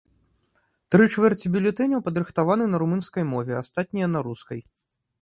Тры чвэрці бюлетэняў падрыхтаваны на румынскай мове, а астатнія на рускай.